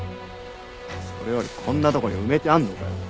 それよりこんなとこに埋めてあんのかよ